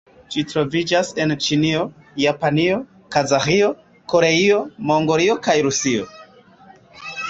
Ĝi troviĝas en Ĉinio, Japanio, Kazaĥio, Koreio, Mongolio kaj Rusio.